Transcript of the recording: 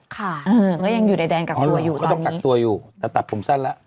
ค่ะเออก็ยังอยู่ในแดนกักตัวอยู่ตอนนี้เขาต้องกักตัวอยู่แต่ตับผมสั้นแล้ว